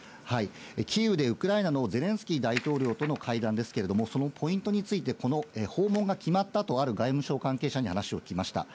キーウでウクライナのゼレンスキー大統領との会談ですけれども、そのポイントについてこの訪問が決まったと、ある外務省関係者に話を聞きました。